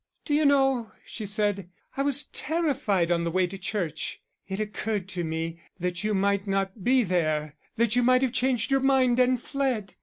"D'you know," she said, "I was terrified on the way to church; it occurred to me that you might not be there that you might have changed your mind and fled."